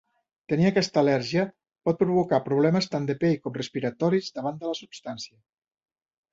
Tenir aquesta al·lèrgia pot provocar problemes tant de pell com respiratoris davant de la substància.